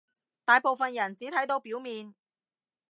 大部分人只睇到表面